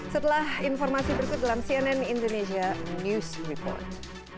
setelah informasi berikut dalam cnn indonesia news report